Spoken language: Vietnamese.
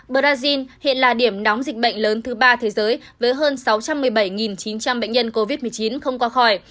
brazil hiện là điểm nóng dịch bệnh lớn thứ ba thế giới với hơn sáu trăm một mươi bảy chín trăm linh bệnh nhân covid một mươi chín không qua khỏi